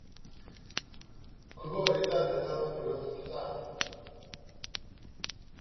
그거 일단 내사로 돌려서 찾아